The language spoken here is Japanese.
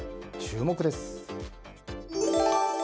注目です。